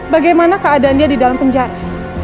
bagaimana keadaannya di dalam penjara